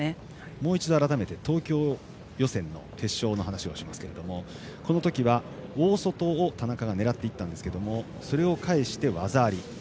もう一度、改めて東京予選の決勝の話ですがこのときは大外を田中が狙っていったんですがそれを返して、技あり。